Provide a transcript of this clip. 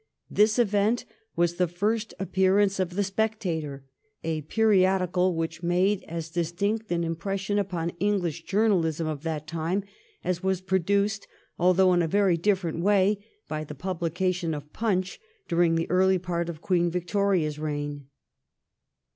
This event was the first appearance of ' The Spectator,' a periodical which made as distinct an impression upon English journalism of that time as was produced, although in a very different way, by the publication of 'Punch' during the early part of Queen Victoria's reign.